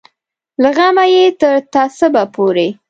له زغمه یې تر تعصبه پورې.